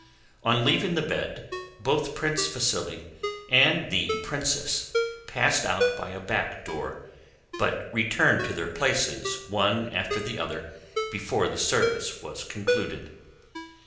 On leaving the bed both Prince Vasíli and the princess passed out by a back door, but returned to their places one after the other before the service was concluded.